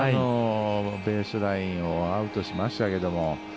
ベースラインをアウトしましたけど。